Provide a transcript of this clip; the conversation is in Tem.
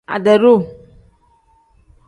Ade-duu.